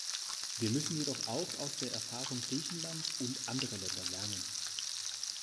Wir müssen jedoch auch aus der Erfahrung Griechenlands und anderer Länder lernen.